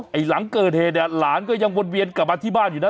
หลังเกิดเหตุเนี่ยหลานก็ยังวนเวียนกลับมาที่บ้านอยู่นะ